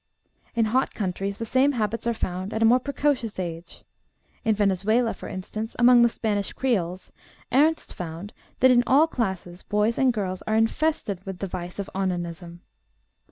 In hot countries the same habits are found at a more precocious age. In Venezuela, for instance, among the Spanish creoles, Ernst found that in all classes boys and girls are infested with the vice of onanism.